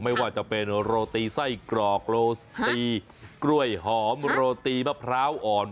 ไม่ว่าจะเป็นโรตีไส้กรอกโรสตีกล้วยหอมโรตีมะพร้าวอ่อน